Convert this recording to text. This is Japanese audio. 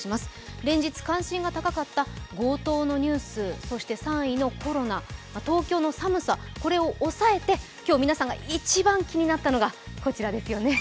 連日、関心が高かった強盗のニュース、そして３位のコロナ、東京の寒さ、これをおさえて皆さんが今日一番気になったのがこちらですね。